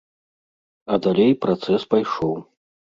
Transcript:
А далей працэс пайшоў.